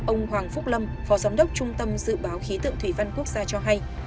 ông hoàng phúc lâm phó giám đốc trung tâm dự báo khí tượng thủy văn quốc gia cho hay